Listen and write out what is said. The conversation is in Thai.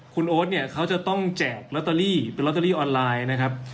คุณโอ๊ตเนี่ยเขาจะต้องแจกลอตเตอรี่เป็นลอตเตอรี่ออนไลน์นะครับ